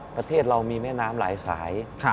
ประเทศเรามีแม่น้ำหลายสาย